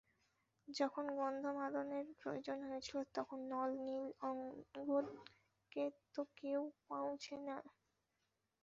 যখন গন্ধমাদনের প্রয়োজন হয়েছিল তখন নল-নীল-অঙ্গদকে তো কেউ পোঁছেও নি!